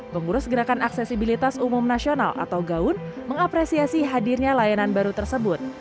pengurus gerakan aksesibilitas umum nasional atau gaun mengapresiasi hadirnya layanan baru tersebut